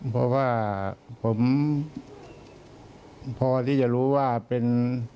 เพราะว่าผมพอที่จะรู้ว่าเป็น